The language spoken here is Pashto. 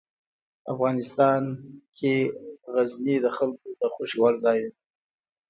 افغانستان کې غزني د خلکو د خوښې وړ ځای دی.